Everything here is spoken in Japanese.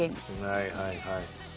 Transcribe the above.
はいはいはい。